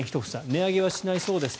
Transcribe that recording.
値上げはしないそうです。